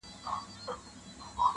لوستونکي پرې فکر کوي ډېر,